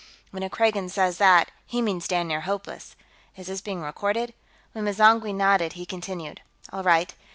"When a Kragan says that, he means damn near hopeless. Is this being recorded?" When M'zangwe nodded, he continued: "All right.